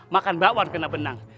makan bakwan kena benang